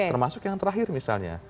termasuk yang terakhir misalnya